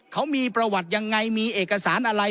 เขามีประวัติยังไงมีเอกสารอะไร